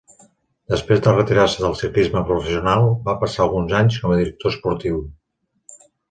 Després de retirar-se del ciclisme professional va passar alguns anys com a director esportiu.